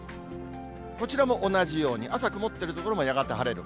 こちらも同じように、朝曇ってる所もやがて晴れる。